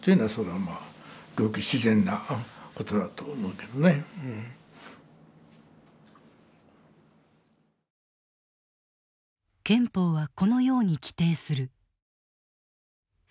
だからまあ憲法はこのように規定する。